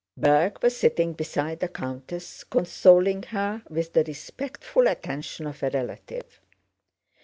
Berg was sitting beside the countess consoling her with the respectful attention of a relative.